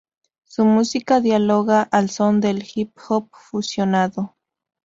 Su música dialoga al son del hip hop, fusionado.